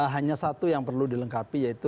hanya satu yang perlu dilengkapi yaitu